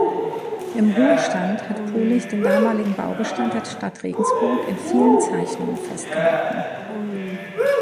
Im Ruhestand hat Pohlig den damaligen Baubestand der Stadt Regensburg in vielen Zeichnungen festgehalten.